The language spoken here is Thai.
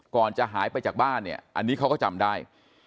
ก่อนจะหายไปจากบ้านเนี่ยอันนี้เขาก็จำได้